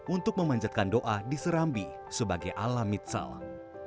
untuk memanjatkan doa di serambi sebagai alam mitsalam